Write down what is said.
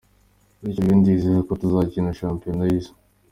Bityo rero ndizera ko tuzakina shampiyona y’isi”.